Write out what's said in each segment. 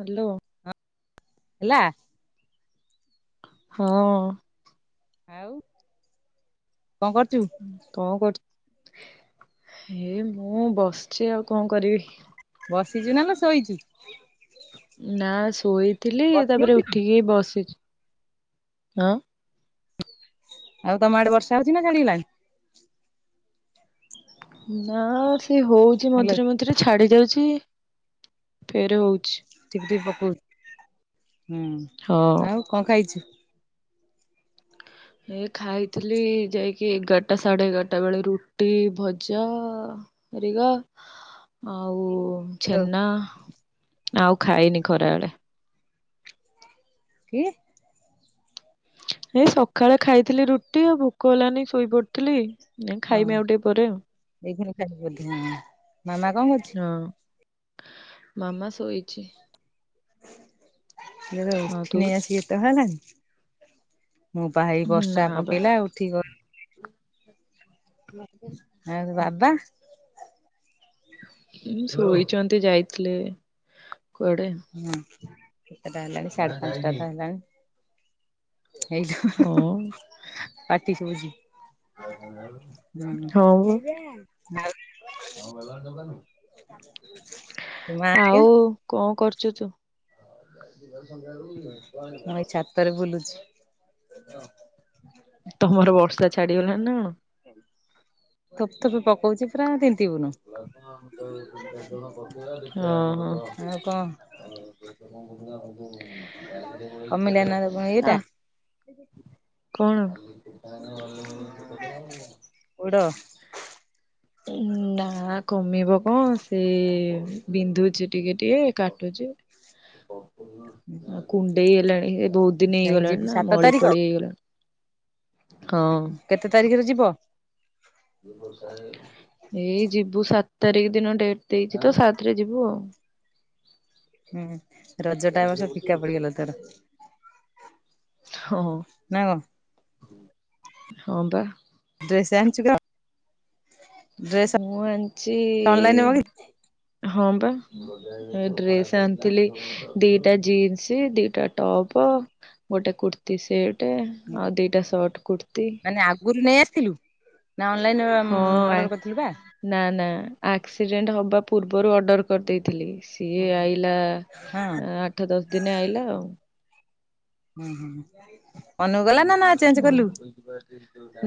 Hello. ହେଲା। ହଁ। ଆଉ କଣ କରୁଚୁ? କଣ କରୁ ଏ ମୁଁ ବସିଚି ଆଉ କଣ କରିବି। ବସିଚୁ ନାଲୋ ଶୋଇଚୁ? ନା ଶୋଇଥିଲି ବସି ତାପରେ ହଉଛି ନା ଉଠିକି ବସିଚି। ହଁ। ଆଉ ତମ ଆଡେ ବର୍ଷା ହଉଚି ନା ଛାଡିଗଲାଣି? ନାଁ ସେ ହଉଚି ହାଲୋ ମଝିରେ ମଝିରେ ଛାଡି ଯାଉଚି ଫେରେ ହଉଚି। ଟିକେ ଟିକେ ପକଉ ହଁ ହୁଁ ଆଉ କଣ ଖାଇଚୁ? ଏ ଖାଇଥିଲି ଯାଇକି ଏଗାରଟା ସାଢେ ଏଗାରଟା ବେଳେ ରୁଟି ଭଜା ଏ ରିଗା ଆଉ ଛେନା ଆଉ ଖାଇନି ଖରା ବେଳେ। କି। ଏଇ ସକାଳେ ଖାଇଥିଲି ରୁଟି ଆଉ ଭୋକ ହେଲାନି ଶୋଇପଡଥିଲି ଏ ଖାଇମି ଆଉ ଟିକେ ପରେ ଆଉ ଏଇ ଖୁଣି [unintelligible] ମାମା କଣ କରୁଚି। ହଁ ମାମା ଶୋଇଚି। ଏବେ ହଁ ତୁ ଉଠିନି ଆସି ଏତଳ ହେଲାନି ମୁଁ ପା ହୋଇ ନା ବର୍ଷା ବା ପକେଇଲା ଉଠି [unintelligible] ଆଉ ବାବା? ଶୋଇଚନ୍ତି ଯାଇଥିଲେ କୁଆଡେ। ହୁଁ ଏଟା ହେଲାଣି ସାଢେ ପାଞ୍ଚଟା ତ ହେଲାଣି। ହେଇଟା ହୁଁ ହଁ ହୁଁ ପାଟି ଶୁଭୁଚି। ହଁ [unintelligible] ବା ହେଇଯା। ଆଉ [unintelligible] ତୋ ମା ହେରିକା? ଆଉ କଣ କରୁଛୁ ତୁ। ମୁଁ ଏଇ ଛାତରେ [unintelligible] ବୁଲୁଛି ହଁ ତମର ବର୍ଷା ଛାଡ଼ିଗଲାଣି ନା କଣ? ଥୋପେ ଥୋପେ ପକଉଚି ପୁରା ତିିନ୍ତିବୁନୁ। [unintelligible] ହଁ ଆଉ କଣ ହଁ। କମିଲା ନା ଇଏଟା [unintelligible] କଣ। ପୋଡ ଏଇ ନାଁ। ନାଁ କମିବ କଣ ସେ ବିନ୍ଧୁଛି ଟିକେ ଟିକେ କାଟୁଚି। କ [unintelligible] [unintelligible] କୁଣ୍ଡେଇ ହେଲାଣି ଏ ବହୁତ୍ ଦିନି ଯାଇକି ହେଇଗଲାଣି ଯିବୁ ନା ସାତ ମଳି ତାରିଖ ଫଳି ହେଇଗଲାଣି। ହଁ। କେତେ ତାରିଖ୍ ରେ ଯିବ? [inaudible] ଏଇ ଯିବୁ ସାତ୍ ତାରିଖ ଦିନ ଡେଟ୍ ଦେଇଚି ତ ସାତ୍ ରେ ଯିବୁ ଆଉ। ହୁଁ ରଜ ଟା ଏ ବର୍ଷ ଫିକା ପଡିଗଲା ତର। ହଁ -ହଁ -ବା। ଡ୍ରେସ ଆଣିଚୁ ଲ। ମୁଁ ଆଣିଚି ଅନଲାଇନ ମଗେଇ ହଁ ବା ଡ୍ରେସେ ଆଣିଥିଲି ଦିଟା ଜିନ୍ସ ଦିଟା ଟପ୍ ଗୋଟେ କୁର୍ତ୍ତିୀ ସେଟେ ଆଉ ଦିଟା ସର୍ଟ କୁର୍ତ୍ତି। [unintelligible] ନା ଅନଲାଇନ୍ ଅର୍ଡ଼ର ହଁ ଆ କରିଥିଲୁ ବା? ନା ନା ଆକ୍ସିଡେଣ୍ଟ୍ ହବା ପୂର୍ବରୁ ଅର୍ଡର କରିଦେଇଥିଲି। ସିଏ ହଁ। ଆଇଲା ଆଠ ଦଶ୍ ଦିନେ ଆଇଲା ଆଉ। ହୁଁ -ହୁଁ ମନୁକୁ ନା -ନା ଚେଞ୍ଜ କଲୁ?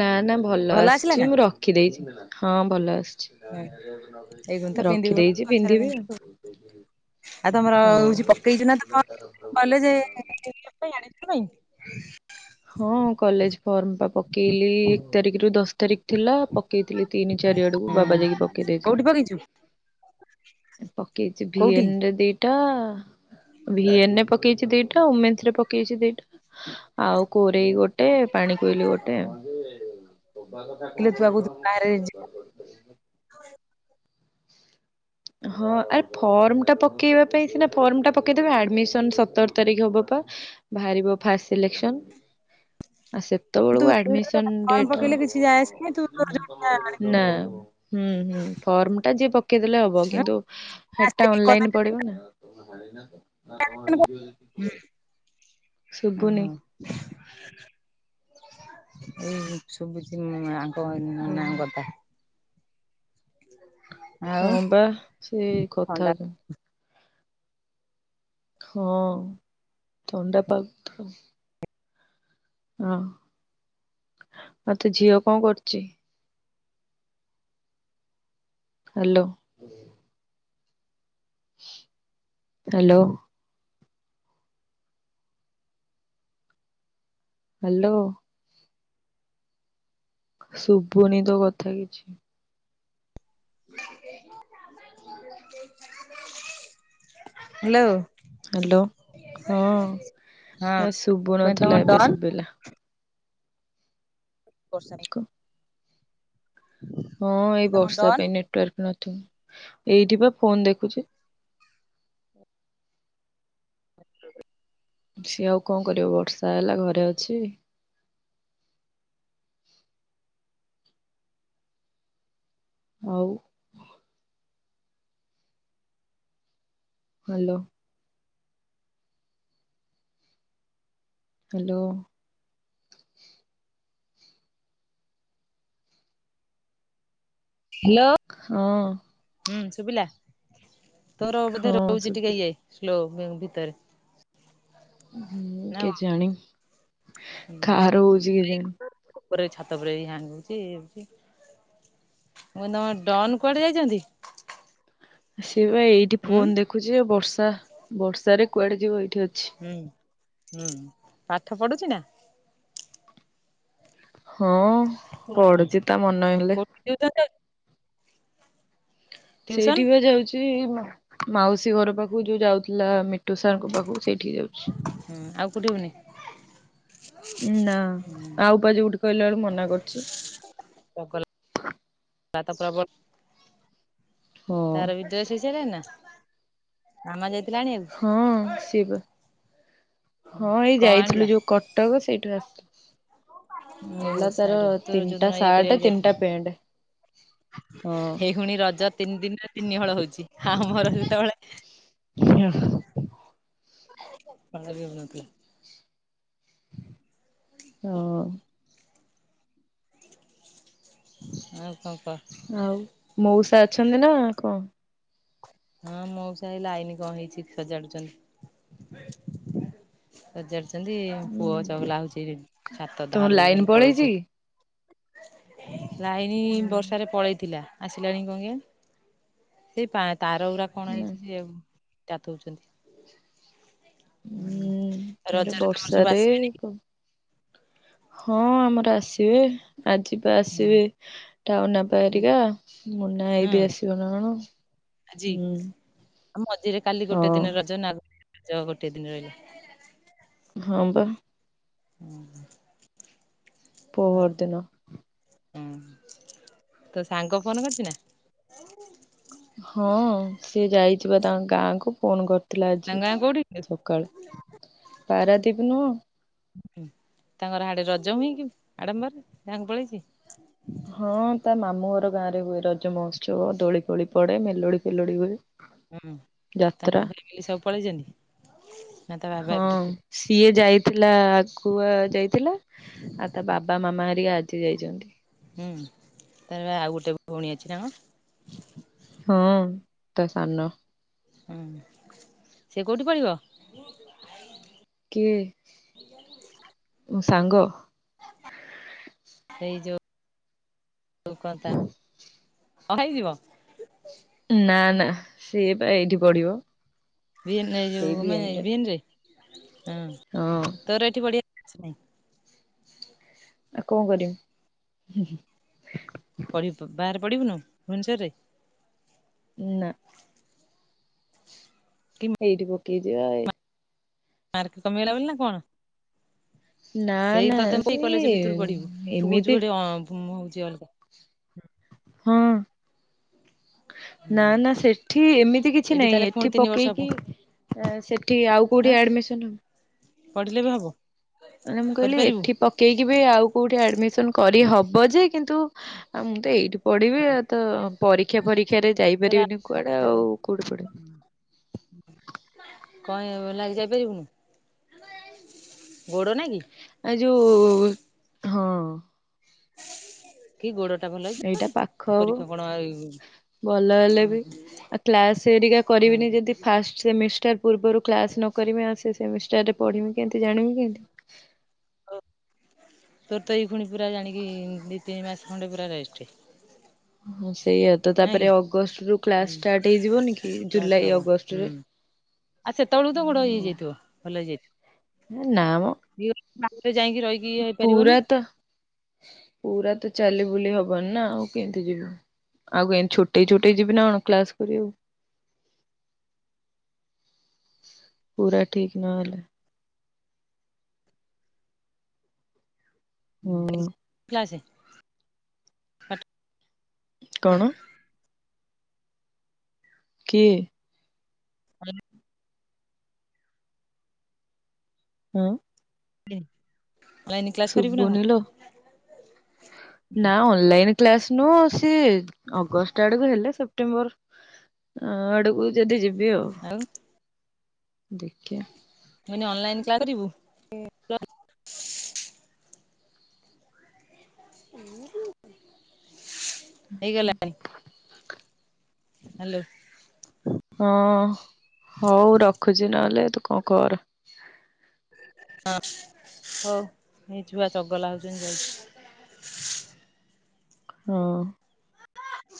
ନା ନା ଭଲ ଆସିଲା ଆସିଚି ନା? ମୁଁ ରଖିଦେଇଚି ହଁ ଭଲ ଆସୁଚି। ହଁ ଏଇଗୁଣ ତ ପିନ୍ଧିବୁ ରଖିଦେଇଚି ପଛରେ ପିନ୍ଧିବି ଆଉ। ପିନ୍ଧିବୁ ଆଉ ତମର ହଉଚି ପକେଇଚି ନା ତ କଣ [unintelligible] ଆଡ଼ମିଶନ୍ ପାଇଁ? ହଁ କଲେଜ୍ ଫର୍ମ୍ ପା ପକେଇଲି ଏକ୍ ତାରିଖରୁ ଦଶ୍ ତାରିଖ ଥିଲା ପକେଇ ଥିଲି ତିନି ଚାରି ଆଡକୁ ବାବା ଯାଇକି ପକେଇ ଦେଇଥିଲେ। କଉଠି ପକେଇଚୁ? ପକେଇଚି ଭି କୋଉଠି? ଏନ୍ ରେ ଦି ଦିଇଟା ଭି ଏନ୍ ରେ ପକେଇଚି ଦିଇଟା ଆଉ ଓମେନସ୍ ରେ ପକେଇଚି ଦିଇ ଟା ଆଉ କୋରେଇ ଗୋଟେ ପାଣି କୋଇଲି ଗୋଟେ ଆଉ। ବୋବା କରିଦେଲେ। [unintelligible] ହଁ ଆରେ ଫର୍ମ୍ ଟା ପକେଇବା ପାଇଁ ସିନା ଫର୍ମ୍ ଟା ପକେଇ ଦେବେ ଆଡମିଶନ୍ ସତର୍ ତାରିଖ୍ ହବ ପା। ବାହାରିବ ଫାର୍ଷ୍ଟ ସିଲେସ୍କସନ୍। ଆଉ ସେତେବେଳ ତୁ କୁ ଆଡମିଶନ୍ ଫର୍ମ ଡେଟ୍ [inaudible] ନା। ପକେଇଲେ କିଛି ଯାଏ ଆସେ ନାହିଁ ତୁ ହୁଁ -ହୁଁ ଫର୍ମ ଟା ଯିଏ ପକେଇ ଦେଲେ ହବ। କିନ୍ତୁ ହେଟା ଓହୋ ଅନଲାଇନ୍ ପଡ଼ିବ ନା। ଶୁଭୁନି [unintelligible] ହଁ [unintelligible] ଆଉ ହଁ ବା ସେ କଥା ଥଣ୍ଡା ତ। ହଁ ଥଣ୍ଡା [unintelligible] ହଁ- ଆଉ ତ ଝିଅ କଣ କରୁଚି? ହାଲୋ। ହାଲୋ। ହାଲୋ। ଶୁବୁନି ତୋ କଥା କିଛି। [unintelligible] ହାଲୋ। ହ୍ୟାଲୋ। ହଁ ଏ ହଁ- ଶୁଭୁ କାଇଁ ନଥିଲା ତମ ଏବେ ଡନ୍। ଶୁଭିଲା। [unintelligible] କ- ହଁ ଏଇ କହିଲି ତମ ବର୍ଷା ଡନ୍ ପାଇଁ ନେଟୱାର୍କ ନଥିବ। ଏଇଠି ବା ଫୋନ୍ ଦେଖୁଚି। ସିଏ ଆଉ କଣ କରିବ ବର୍ଷା ହେଲା ଘରେ ଅଛି। ହଉ। ହାଲୋ। ହାଲୋ। ହେଲୋ। ହଁ। ହୁଁ ଶୁଭିଲା ତୋର ବୋଧେ ହଁ ରହୁଚି ଟିକେ ଶୁଭି ୟେ ସ୍ଲୋ ହୁଁ ଭିତରେ। ହୁଁ ନା କେଜାଣି କାହାର ହଉଚି କେଜାଣି। କଣ ଉପରେ ଛାତ ଉପରେ [unintelligible] ମୁଁ ନ ଡନ୍ କୁଆଡେ ଯାଇଚନ୍ତି? ସେ ବା ଏଇଠି ହୁଁ ଫୋନ୍ ଦେଖୁଚି ଯେ ବର୍ଷା ବର୍ଷାରେ କୁଆଡେ ଯିବ ଏଇଠି ଅଛି। ହୁଁ ହୁଁ ପାଠ ପଡ଼ୁଚି ନା? ହଁ ପଡ଼ୁଚି ତା ମନ ହେଲେ। [unintelligible] ଟିଉସନ ସେଇଟି ବା ଯାଉଚି ମା ମାଉସି ଘର ପାଖକୁ ଯୁ ଯାଉଥିଲା। ତୁଷାରଙ୍କ ପାଖକୁ ସେଇଠି କି ଯାଉଛି। ହୁଁ ଆଉ କୋଉଟେ ହେଉନି? ନା ଆଉଁ ପା ଯଉଥି କହିଲା ବେଳେ କୁ ମନା କରୁଛି। ଚଗଲା [unintelligible] ତାର [unintelligible] ନା ହଁ। କାମ ଯାଇ ଥିଲା ଆଣିବାକୁ। ହଁ ସେ ବା। ହିଁ ଏଇ କଣ ଆଣିଲା? ଯାଇଥିଲୁ ଯୋଉ କଟକ ସେଇଟିରୁ ଆସି। ଓହୋ ନେଲା ତାର ସାଡୁ ତୋର ଯୋଉଦିନ ତିନ୍ଟା ଇଏ ସାଟେ କରିବାକୁ ଯାଇଥିଲ ତିନ୍ଟା ପେଣ୍ଟ। ହଁ। ଏଇ ପୁଣି ରଜ ତିନି ଦିନିରେ ତିନି ହଳ ହଉଚି। ହଁ ହଁ ମୋର ହଁ। [unintelligible] [unintelligible] ହୁଁ! ଆଉ କଁ କ? ଆଉ ମଉସା ଅଛନ୍ତି ନା କଁ? ହଁ ମଉସା ଏ ଲାଇନ୍ କଁ ହେଇଚି ସଜାଡୁଚନ୍ତି। ସଜାଡୁଚନ୍ତି। ପୁଅ ଚଗଲା ହଉଚି ଛାତ ତମର ଧାରୁ ଲାଇନ ଖାଲି ପଳେଇଛି ପଳଉଚି। କି? ଲାଇନନି ବର୍ଷାରେ ପଳେଇଥିଲା। ଆସିଲାଣି କଁ କେଇଆନି। ସେଇ ପା ତାର ଗୁଡା କଣ ନା ହେଇଛି ସେଆକୁ [unintelligible] ହୁଁ ଏଆଡେ ରଜରେ ତମର ସବୁ ବର୍ଷାରେ। ଆସିବେନି? ହଁ ଆମର ଆସିବେ। ଆଜି ପା ହୁଁ। ଆସିବେ। ଟାଉନ୍ ବାପା ଆଜି ହେରିକା। ମୁନା ଭାଇ ହୁଁ ବି ଆସିବ ନା କଣ। ଆଜି ହୁଁ ମଝିରେ କାଲି ହଁ ଗୋଟେ ଦିନ ର ଜ [unintelligible] ରଜ ଆଉ ଗୋଟେ ଦିନ୍ ରହିଲା। ହଁ ବା। [unintelligible] ହଁ ପହର ଦିନ ହୁଁ! ତୋ ସାଙ୍ଗ ଫୋନ୍ କରୁଚି ନା? ହଁ! ସିଏ ଯାଇଚି ପା ତାଙ୍କ୍ ଗାଁକୁ। ଫୋନ୍ କରିଥିଲା ତାଙ୍କ ଆଜି ଗାଁ କୋଉଠି କି? ସକାଳେ। ପାରାଦିପ୍ ନୁହଁ? ତାଙ୍କର ହାଡେ ରଜ ହୁଏ କି? ଆଡମ୍ବରରେ ଗାଁକୁ ପଳେଇଚି। ହଁ ତା ମାମୁଁ ଘର ଗାଁ ରେ ହୁଏ ରଜ ମହୋତ୍ସବ ଦୋଳି ଫୋଳି ପଡେ ମେଲୋଡି ଫେଲୋଡି ହୁଏ। ହୁଁ ଯାତ୍ରା ତାଙ୍କ ଫ୍ୟାମିଲି ସବୁ ପଳେଇଚନ୍ତି? ହଁ ସିଏ ଯାଇଥିଲା କୁଆ ଯାଇ ଥିଲା ଆଉ ତା ବାବା ମାମା ହେରିକା ଆଜି ଯାଇଛନ୍ତି। ହୁଁ ତାର ବା ଆଉ ଗୋଟେ ଭଉଣୀ ଅଛି ନା କଂ। ହଁ ତା ସାନ ହୁଁ ସେ କୋଉଠି ପରିବ? [unintelligible] କିଏ ମୋ ସାଙ୍ଗ? ସେଇ ଯୋ କଁ ତା ହଁ ହେଇଯିବ। ନା ନା ସିଏ ପା ଏଇଠି ପଢିବ। ଭିଏନ୍ ରେ ଯୋ ସେଇ ଭିଏନରେ [unintelligible] ଭିଏନ୍ ରେ ହଁ ତୋର ଏଠି ବଢିଆ ଛି ନାଇଁ। ଆଉ କଣ କରିବି। ପଢିପୁ ବାହାରେ ପଢିବୁନୁ ଭୁନ୍ଶ୍ୱରରେ। ନା। କି ଏଇଠି ପକେଇ ଦିଅ ଏ। ମାର୍କ କମିଗଲା ବୋଲି ନା କଣ? ନା ନା ସେଇ ତତେ ମୁଁ ଏଇ ସେ କଲେଜ ଭିତରୁ ପଢିବୁ ଥୁ ଏମିତି କହୁଛୁ ଏଠି ଅଁ‌‌‍ [unintelligible] ହଉଛି ଅଲଗା। ହଁ। ନା ନା ସେଠି ଏମିତି କିଛି ନାଇଁ, ତାହେଲେ ପୁଣି ଏଠି ତିନି ବର୍ଷ ପକେଇକି ଆ ସେଠି ଆଉ କୋଉଠି ଆଁ ଆଡମିସନ୍ ହବ। ପଢିଲେ ବି ହବ। ମାନେ ମୁଁ କହିଲି କରିପାରିବୁ ଏଠି ପ କେଇକିବେ ଆଉ କଉଠି ଆଡମିସନ୍ କରିହବ ଯେ, କିନ୍ତୁ ମୁଁ ତ ଏଇଠି ପଡିବି ଆଉ ତ ପରୀକ୍ଷା ଫରୀକ୍ଷାରେ ତୋର ଯାଇପାରିବିନି କୁଆଡେ ଆଉ କୋଠି ପଢିବି। କଁ ଏ ଲାଗି ଯାଇପାରିବୁନୁ, ଗୋଡ ନାଇଗି? ଆ ଯୋ ହଁ। କି ଗୋଡଟା ଭଲ ହେଇ ଏଇଟା [unintelligible] ପାଖ ମାନେ ହବ ପରୀକ୍ଷା କଣ ଭଲ ହେଲେ ବି ଆଉ କ୍ଲାସ ଏରିକା କରିବିନି ଯଦି ଫାଷ୍ଟ ସେମିଷ୍ଟାର୍ ପୂର୍ବରୁ କ୍ଲାସ୍ ନ କରମି ଆଉ ସେ ସେମିଷ୍ଟାର୍ ରେ ପଢିମି କେମ୍ତି ଜାଣିମି କେମ୍ତି। ତୋର ତ ଏଇ ପୁଣି ପୁରା ଜାଣିକି ଦି ତିନି ମାସ ଖଣ୍ଡେ ପୁରା ରେଷ୍ଟେ। ହୁଁ ସେଇୟା ତ ତାପରେ କି ଅଗଷ୍ଟରୁ କ୍ଲାସ୍ ଷ୍ଟାର୍ଟ ହେଇଯିବନି କି ଜୁଲାଇ ଅଗଷ୍ଟରେ। ଆ ସେତେବେଳକୁ ତୋ ଗୋଡ଼ ହେଇଯାଇଥିବ ଭଲ ହେଇଯାଇଥିବ। ହେ ନାଆ ମ। [unintelligible] ଯାଇଁକି ରହି ପୁରା ତ ପୁରା ତ ଚାଲିବୁଲି ହବନି ନା ଆଉ କେମ୍ତି ଯିବୁ। ଆଉ କେମ୍ ଛୋଟେଇ ଛୋଟେଇ ଯିବି ଅଣ କ୍ଲାସ୍ କରିଆଉ। ପୁରା ଠିକ୍ ନହେଲେ ହୁଁ। [unintelligible] କ୍ଲାସେ ପା [unintelligible] କଣ ଠ କିଏ? [unintelligible] ହୁଁ। ପ୍ଲେ ଶୁବୁନିଲୋ। ନା ଅନଲାଇନ୍ କ୍ଲାସ ନୁହଁ ସିଏ ଅଗଷ୍ଟ ଆଡ଼କୁ ହେଲେ ସେପ୍ଟେମ୍ବର ହଁ ଆଡ଼କୁ ଯଦି ଯିବି ଆଉ। ଆଉ। ଦେଖିଆ। ମୁଁ କହିନି ଅନଲାଇନ୍ କ୍ଲାସ କରିବୁ? [unintelligible] ହେଇଗଲାଣି ହ୍ୟାଲୋ। ହଁ ହଉ ରଖୁଛି ନହେଲେ ତୁ କଣ କର। ହଁ ହଉ ଏଇ ଛୁଆ ଚଗଲା ହଉଚନ୍ତି ଯାଉଚି। ହଁ।